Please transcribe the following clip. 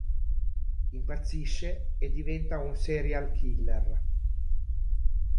Impazzisce e diventa un serial killer.